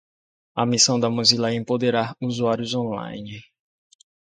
A missão da Mozilla é empoderar usuários online.